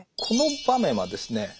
この場面はですね